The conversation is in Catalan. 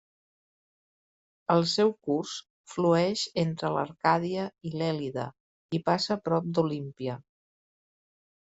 El seu curs flueix entre l'Arcàdia i l'Èlide i passa prop d'Olímpia.